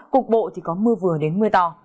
cục bộ có mưa vừa đến mưa to